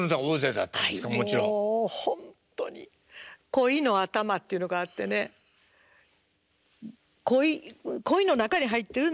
コイの頭っていうのがあってねコイコイの中に入ってるんですよ。